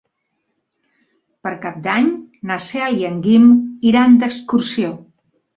Per Cap d'Any na Cel i en Guim iran d'excursió.